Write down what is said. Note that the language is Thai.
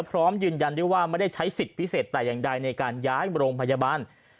พร้อมยืนยันด้วยว่าไม่ได้ใช้สิทธิ์พิเศษแต่อย่างใดในการย้ายโรงพยาบาล